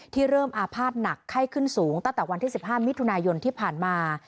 เริ่มอาภาษณ์หนักไข้ขึ้นสูงตั้งแต่วันที่๑๕มิถุนายนที่ผ่านมา